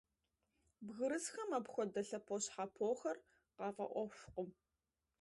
Бгырысхэм апхуэдэ лъэпощхьэпохэр къафӀэӀуэхукъым.